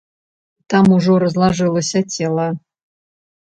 Там ужо разлажылася цела.